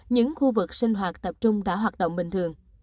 những khu vực sinh hoạt tập trung đã hoạt động bình thường